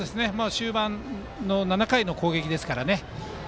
終盤の７回の攻撃ですからね。